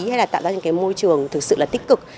hay là tạo ra những cái môi trường thực sự là tích cực